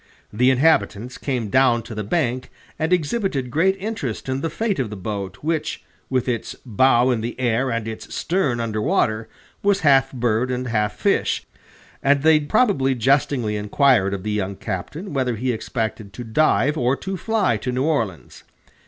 The inhabitants came down to the bank, and exhibited great interest in the fate of the boat, which, with its bow in the air and its stern under water, was half bird and half fish, and they probably jestingly inquired of the young captain whether he expected to dive or to fly to New Orleans.